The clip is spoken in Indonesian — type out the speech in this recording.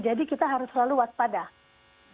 jadi kita harus selalu waspadat